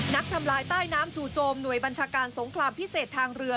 ทำลายใต้น้ำจู่โจมหน่วยบัญชาการสงครามพิเศษทางเรือ